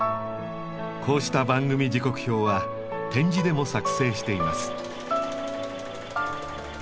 こうした番組時刻表は点字でも作成しています。